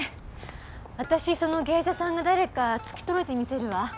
私その芸者さんが誰か突き止めてみせるわ。